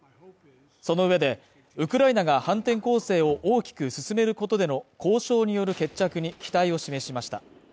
その上で、ウクライナが反転攻勢を大きく進めることでの交渉による決着に期待を示しました